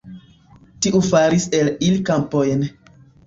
Tiu faris el ili kampojn.